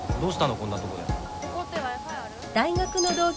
こんなとこで。